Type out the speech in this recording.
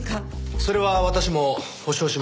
それは私も保証します。